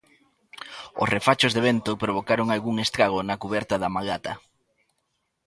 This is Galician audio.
Os refachos de vento provocaron algún estrago na cuberta da Malata.